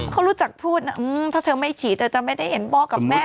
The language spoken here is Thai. เขารู้จักพูดนะถ้าเธอไม่ฉีดเธอจะไม่ได้เห็นพ่อกับแม่